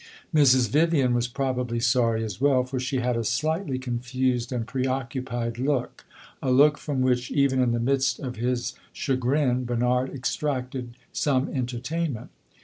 Mrs. Vivian was probably sorry as well, for she had a slightly confused and preoccupied look a look from which, even in the midst of his chagrin, Bernard extracted some entertainment.